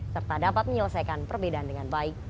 serta dapat menyelesaikan perbedaan dengan baik